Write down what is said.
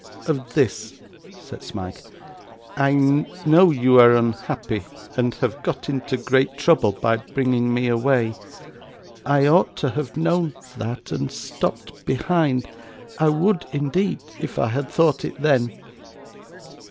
'Of this,' said Smike. 'I know you are unhappy, and have got into great trouble by bringing me away. I ought to have known that, and stopped behind I would, indeed, if I had thought it then.